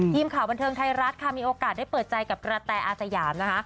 ทีมข่าวบันเทิงไทยรัฐค่ะมีโอกาสได้เปิดใจกับกระแตอาสยามนะคะ